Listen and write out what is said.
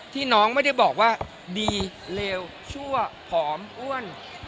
ที่น้องไม่ได้บอกว่าดีเลวชั่วผอมอ้วน